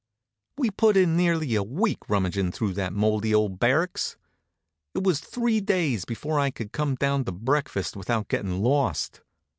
We put in nearly a week rummaging through that moldy old barracks. It was three days before I could come down to breakfast without getting lost.